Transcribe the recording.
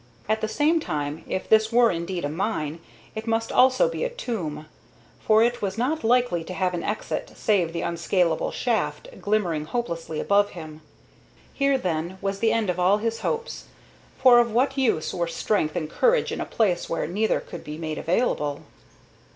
At the same time, if this were indeed a mine, it must also be a tomb, for it was not likely to have any exit save the unscalable shaft glimmering hopelessly above him. Here, then, was the end of all his hopes, for of what use were strength and courage in a place where neither could be made available?